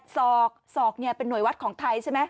ศอกศอกเป็นห่วยวัดของไทยใช่ไหม